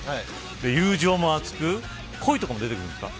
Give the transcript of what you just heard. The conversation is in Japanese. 友情も熱く恋とかも出てくるんですか。